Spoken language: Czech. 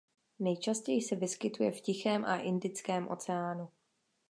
Nejčastěji se vyskytuje v Tichém a Indickém oceánu.